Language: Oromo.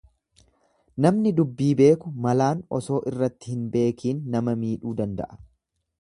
Namni dubbii beeku malaan osoo irratti hin beekiin nama miidhuu danda'a.